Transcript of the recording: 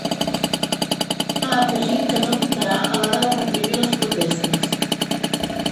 Ha afegit que no dubtarà a l’hora de reprimir les protestes.